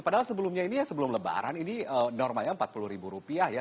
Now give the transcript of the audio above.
padahal sebelumnya ini ya sebelum lebaran ini normanya rp empat puluh ya